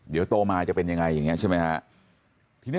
เดี๋ยวโตมาจะเป็นยังไงอย่างนี้ใช่ไหมฮะ